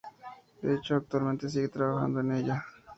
De hecho, actualmente sigue trabajando en ella.